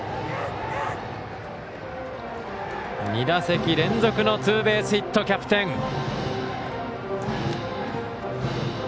２打席連続のツーベースヒットキャプテン。